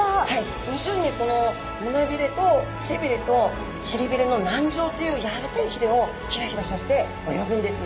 要するにこの胸びれと背びれと臀びれの軟条っていうやわらかいひれをヒラヒラさせて泳ぐんですね。